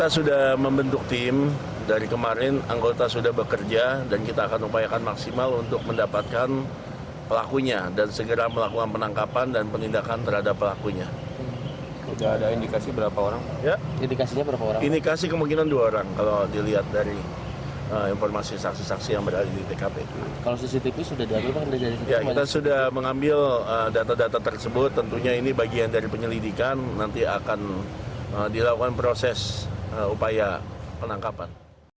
saya mengambil data data tersebut tentunya ini bagian dari penyelidikan nanti akan dilakukan proses upaya penangkapan